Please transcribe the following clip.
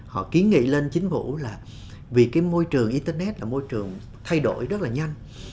họ kiến nghị lên chính phủ là vì cái môi trường internet là môi trường thay đổi rất là nhanh